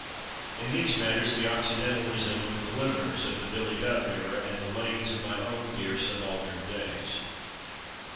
In these matters, the Occidental resembled the "Limmer's" of the "Billy Duff" era, and the "Lane's" of my own dear subaltern days.